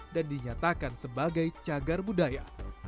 dan dinyatakan sebagai cagar budaya